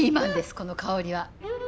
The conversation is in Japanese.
この香りは。